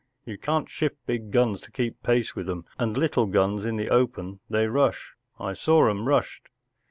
You can't shift big guns to keep pace with them, and little guns in the open they rush. I saw' 'em rushed.